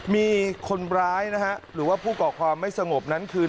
มีคนร้ายนะฮะหรือว่าผู้ก่อความไม่สงบนั้นคืน